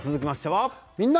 「みんな！